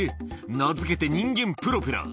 名付けて人間プロペラ。